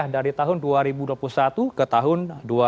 dari tahun dua ribu dua puluh satu ke tahun dua ribu dua puluh